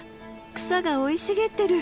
草が生い茂ってる！